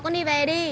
con đi về đi